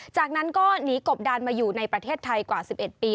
จากนั้นก็หนีกบดานมาอยู่ในประเทศไทยกว่า๑๑ปี